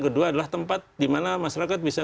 kedua adalah tempat dimana masyarakat bisa